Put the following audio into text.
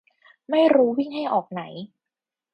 ไม่รู้วิ่งให้ออกไหน